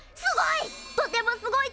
すごい！